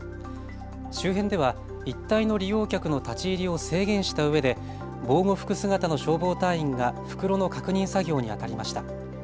周辺では一帯の利用客の立ち入りを制限したうえで防護服姿の消防隊員が袋の確認作業にあたりました。